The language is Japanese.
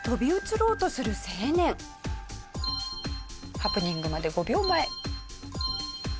ハプニングまで５秒前。